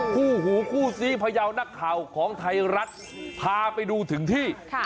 คู่หูคู่ซีพยาวนักข่าวของไทยรัฐพาไปดูถึงที่